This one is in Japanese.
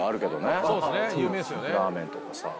ラーメンとかさ。